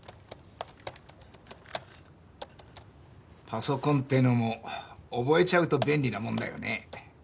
パソコンっていうのも覚えちゃうと便利なもんだよね。